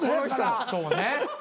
そうね。